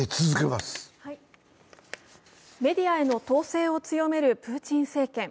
メディアへの統制を強めるプーチン政権。